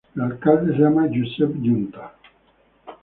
El alcalde se llama Joseph Giunta.